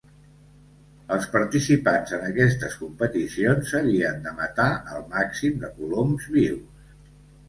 Els participants en aquestes competicions havien de matar el màxim de coloms vius.